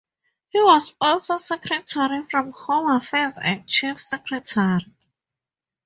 He was also Secretary for Home Affairs and Chief Secretary.